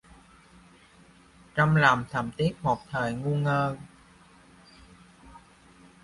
Trong lòng thầm tiếc một thời ngu ngơ